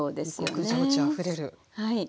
異国情緒あふれる。